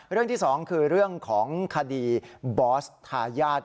ที่สองคือเรื่องของคดีบอสทายาท